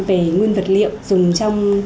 về nguyên vật liệu dùng trong